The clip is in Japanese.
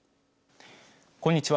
こんにちは。